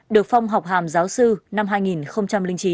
được phong học hàm giáo sư năm hai nghìn chín